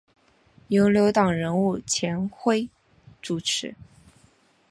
由牛党人物钱徽主持。